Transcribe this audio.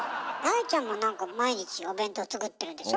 愛ちゃんも何か毎日お弁当作ってるんでしょ？